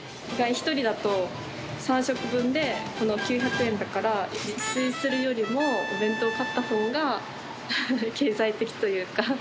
１人だと、３食分でこの９００円だから、自炊するよりもお弁当を買ったほうが経済的というか。